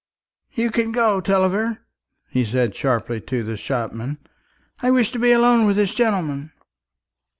"You can go, Tulliver," he said sharply to the shopman. "I wish to be alone with this gentleman."